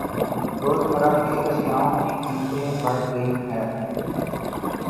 روز مرہ کے اشیاوں کی قیمتیں بڑھ گئ ہے۔